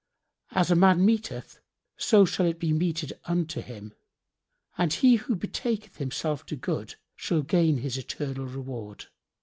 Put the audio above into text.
As a man meteth, so shall it be meted unto him, and he who betaketh himself to good shall gain his eternal reward.